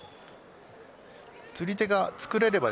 釣り手がつくれれば。